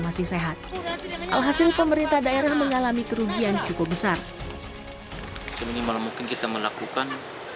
masih sehat alhasil pemerintah daerah mengalami kerugian cukup besar seminimal mungkin kita melakukan